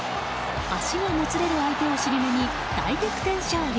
足がもつれる相手を尻目に大逆転勝利。